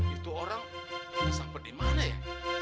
itu orang tidak sampai di mana ya